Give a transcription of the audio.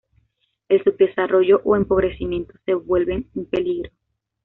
El subdesarrollo o empobrecimiento se vuelven un peligro.